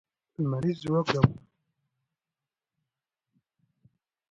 لمریز ځواک د افغانستان د ښاري پراختیا سبب کېږي.